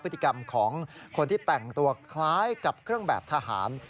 พฤติกรรมของคนที่แต่งตัวคล้ายกับเครื่องแบบทหาร